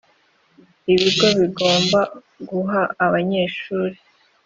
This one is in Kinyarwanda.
ibigo bigomba guha abanyeshuri